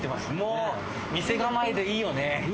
店構えで、いいよね。